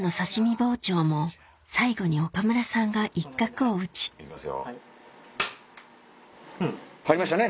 包丁も最後に岡村さんが一画を打ち入りましたね！